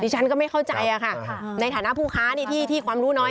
ฉันก็ไม่เข้าใจในฐานะภูเขานี่ที่ความรู้น้อย